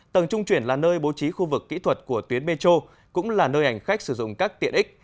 tầng trung chuyển là nơi bố trí khu vực kỹ thuật của tuyến metro cũng là nơi hành khách sử dụng các tiện ích